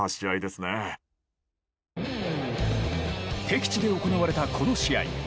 敵地で行われたこの試合。